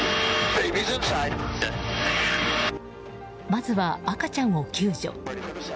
まずは赤ちゃんを救助。